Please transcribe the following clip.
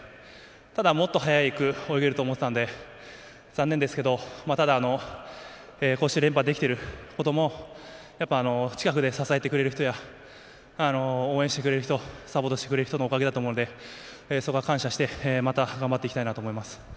ただもっと速く泳げると思っていたので残念ですけどまあ、ただこうして連覇できていることも近くで支えてくれる人や応援してくれる人サポートしてくれる人のおかげだと思ってそこは感謝してまた頑張っていきたいなと思います。